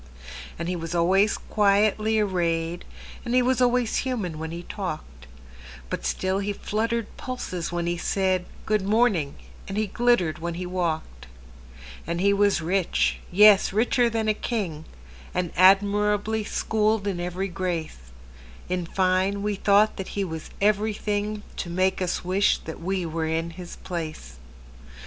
And he was always quietly arrayed, And he was always human when he talked; But still he fluttered pulses when he said,"Good morning," and he glittered when he walked. And he was rich,—yes, richer than a king,—And admirably schooled in every grace:In fine, we thought that he was everythingTo make us wish that we were in his place.